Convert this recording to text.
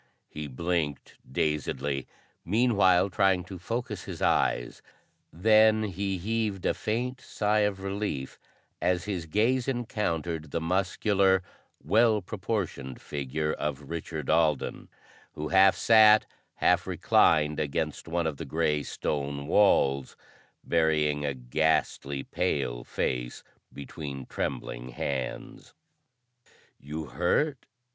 He blinked dazedly, meanwhile trying to focus his eyes, then he heaved a faint sigh of relief as his gaze encountered the muscular, well proportioned figure of Richard Alden, who half sat, half reclined, against one of the grey stone walls, burying a ghastly pale face between trembling hands. "You hurt?"